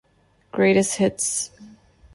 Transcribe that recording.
Greatest Hits.